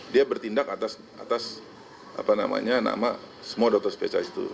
dia bertindak atas nama semua dokter spesialis itu